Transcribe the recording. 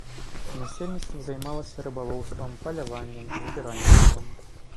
Насельніцтва займалася рыбалоўствам, паляваннем, збіральніцтвам.